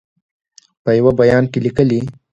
په یوه بیان کې لیکلي